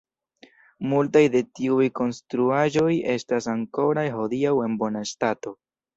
Multaj de tiuj konstruaĵoj estas ankoraŭ hodiaŭ en bona stato.